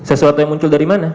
sesuatu yang muncul dari mana